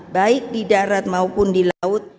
baik di darat maupun di laut